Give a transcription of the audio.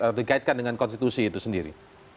atau terkait dengan konstitusi itu sendiri